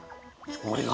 俺が？